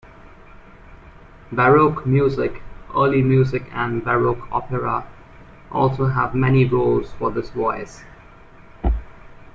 Baroque music, early music and baroque opera also have many roles for this voice.